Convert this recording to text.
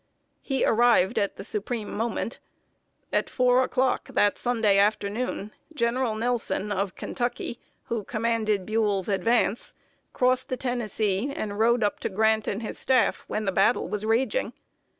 He arrived at the supreme moment. At four o'clock on that Sunday afternoon, General Nelson, of Kentucky, who commanded Buell's advance, crossed the Tennessee, and rode up to Grant and his staff when the battle was raging.